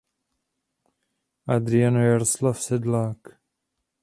Adrian Jaroslav Sedlák.